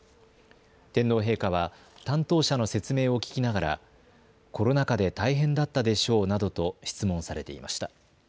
天皇陛下は担当者の説明を聞きながらコロナ禍で大変だったでしょうなどと質問されていました。